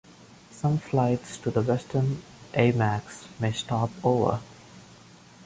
Some flights to the western aimags may stop over.